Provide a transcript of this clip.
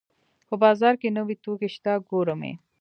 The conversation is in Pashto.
په بازار کې نوې توکي شته ګورم یې